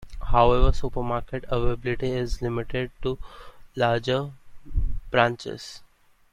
However supermarket availability is limited to larger branches.